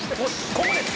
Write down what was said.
ここです！」